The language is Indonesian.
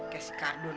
ke si cardun